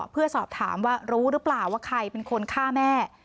เพื่อสอบถามว่ารู้หรือเปล่าว่าใครเป็นคนฆ่าแม่